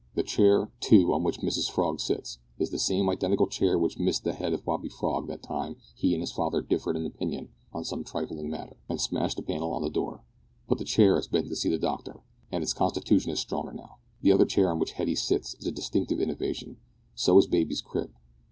The chair, too, on which Mrs Frog sits, is the same identical chair which missed the head of Bobby Frog that time he and his father differed in opinion on some trifling matter, and smashed a panel of the door; but the chair has been to see the doctor, and its constitution is stronger now. The other chair, on which Hetty sits, is a distinct innovation. So is baby's crib.